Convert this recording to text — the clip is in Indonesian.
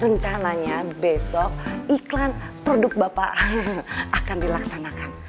rencananya besok iklan produk bapak akan dilaksanakan